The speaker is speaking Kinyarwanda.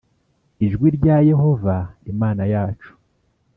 ijwi rya Yehova Imana yacu